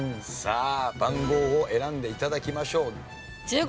さあ番号を選んで頂きましょう。